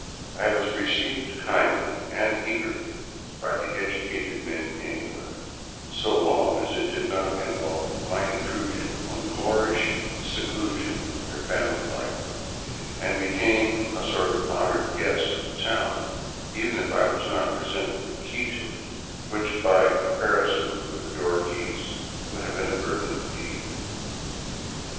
I was received kindly and eagerly by the educated men anywhere, so long as it did not involve my intrusion on the Moorish seclusion of their family life, and became a sort of honored guest of the town, even if I was not presented with the key to it, which by comparison with the door keys would have been a burden indeed.